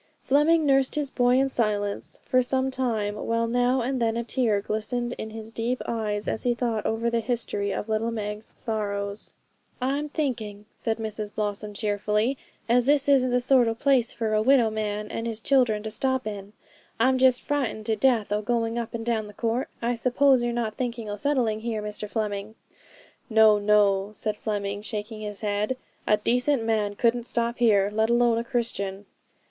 Fleming nursed his boy in silence for some time, while now and then a tear glistened in his deep eyes as he thought over the history of little Meg's sorrows. 'I'm thinking,' said Mrs Blossom cheerfully, 'as this isn't the sort o' place for a widow man and his children to stop in. I'm just frightened to death o' going up and down the court. I suppose you're not thinking o' settling here, Mr Fleming?' 'No, no,' said Fleming, shaking his head: 'a decent man couldn't stop here, let alone a Christian.'